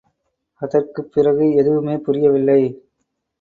அதற்குப் பிறகு எதுவுமே புரியவில்லை.